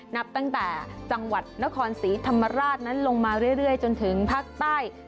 นับตั้งแต่จังหวัดนครศรีธรรมราชนั้นลงมาเรื่อยจนถึงภาคใต้